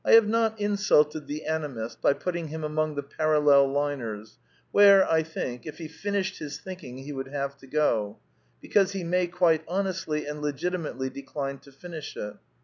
I have not insulted the Animist by putting him among the Parallel liners, where, I think, if he finished his think ing he would have to go; because he may quite honestly and Intimately decline to finish it.